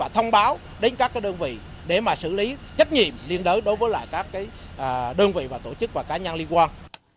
thông báo đến các đơn vị để xử lý trách nhiệm liên đối với các đơn vị và tổ chức và cá nhân liên quan